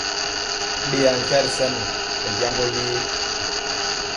Ɓeya nkya ri sa mɛ ɔ jambɔ ye?